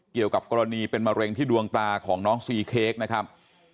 เกี่ยวกับกรณีเป็นมะเร็งที่ดวงตาของน้องซีเค้กนะครับ